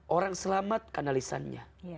orang selamat karena lisannya